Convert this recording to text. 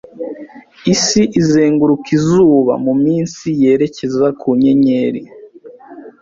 Isi izenguruka izuba mu minsi yerekeza ku nyenyeri